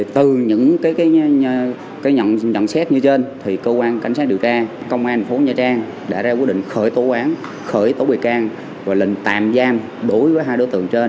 từ những nhận xét như trên thì cơ quan cảnh sát điều tra công an phố nha trang đã ra quyết định khởi tổ quán khởi tổ bệ can và lệnh tạm giam đối với hai đối tượng trên